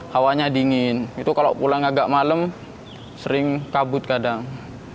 hawanya dingin itu kalau pulang agak malem sering kabut kadang